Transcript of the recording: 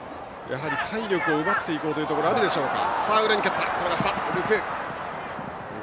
体力を奪っていこうというところがあるでしょうか。